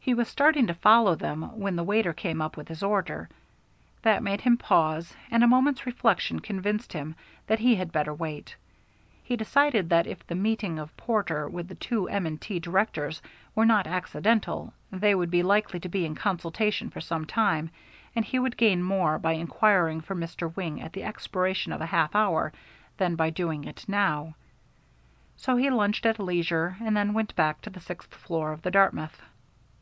He was starting to follow them when the waiter came up with his order. That made him pause, and a moment's reflection convinced him that he had better wait. He decided that if the meeting of Porter with the two M. & T. directors were not accidental they would be likely to be in consultation for some time, and he would gain more by inquiring for Mr. Wing at the expiration of a half hour than by doing it now. So he lunched at leisure and then went back to the sixth floor of the Dartmouth.